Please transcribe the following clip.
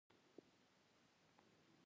ما ورته وویل: لکه د چیک خلک، چې وتښتېدل.